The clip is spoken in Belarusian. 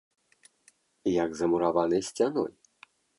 Як за мураванай сцяной!